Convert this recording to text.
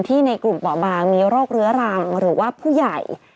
ที่ในกลุ่มเปาะบางมีโรครัวรามหรือว่าผู้ใหญ่